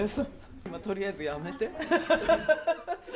とりあえずやめて。